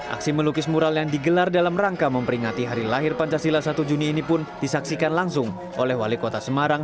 aksi melukis mural yang digelar dalam rangka memperingati hari lahir pancasila satu juni ini pun disaksikan langsung oleh wali kota semarang